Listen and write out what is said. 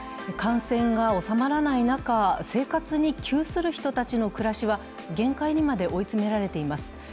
感染が収まらない中、生活に窮する人たちの暮らしは限界にまで追い詰められています。